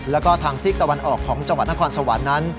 แล้วก็ทางซีกตะวันออกของจังหวัดนครสวรรค์นั้น